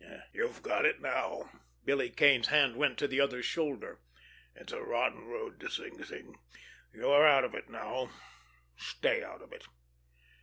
"You've got it now." Billy Kane's hand went to the other's shoulder. "It's a rotten road to Sing Sing. You're out of it now—stay out of it."